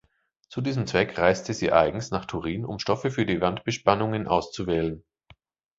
Zu diesem Zweck reiste sie eigens nach Turin, um Stoffe für die Wandbespannungen auszuwählen.